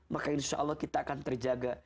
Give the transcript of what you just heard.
maka insya allah kita akan terjaga